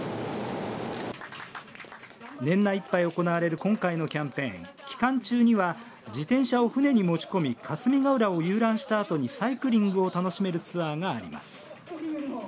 年内いっぱい行われる今回のキャンペーン期間中には自転車を船に持ち込み霞ヶ浦を遊覧したあとにサイクリングを楽しめるツアーがあります。